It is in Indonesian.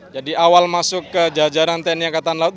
jadi awal masuk ke jajaran tni angkatan laut